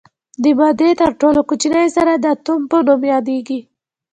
د مادې تر ټولو کوچنۍ ذره د اتوم په نوم یادیږي.